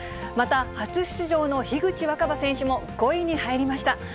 また初出場の樋口新葉選手も５位に入りました。